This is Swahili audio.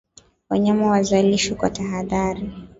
Wanyama wazalishwe kwa tahadhari